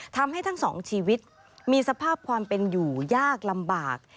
ทำให้ทั้งสองชีวิตมีสภาพความเป็นอยู่ยากลำบาก